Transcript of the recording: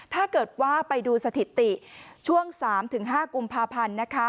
ถ้าเกิดว่าไปดูสถิติช่วง๓๕กุมภาพันธ์นะคะ